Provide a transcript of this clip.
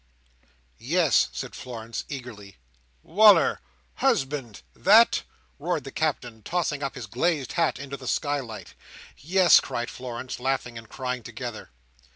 "Yes!" said Florence, eagerly. "Wal"r! Husband! THAT?" roared the Captain, tossing up his glazed hat into the skylight. "Yes!" cried Florence, laughing and crying together.